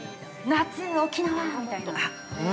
夏の沖縄みたいな。